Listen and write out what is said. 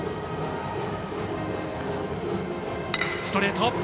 ストレート